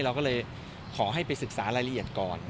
เราก็เลยขอให้ไปศึกษารายละเอียดก่อน